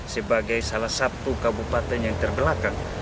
sebagai salah satu kabupaten yang terbelakang